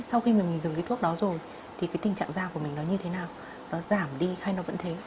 sau khi mình dùng cái thuốc đó rồi thì cái tình trạng da của mình nó như thế nào nó giảm đi hay nó vẫn thế